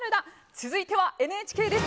続いてはＮＨＫです。